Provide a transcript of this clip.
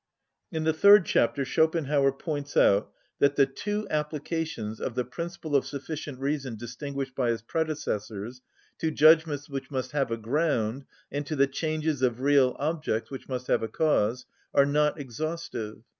In the third chapter Schopenhauer points out that the two applications of the principle of sufficient reason distinguished by his predecessors, to judgments, which must have a ground, and to the changes of real objects, which must have a cause, are not exhaustive.